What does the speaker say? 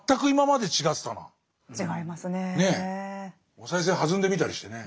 お賽銭はずんでみたりしてね。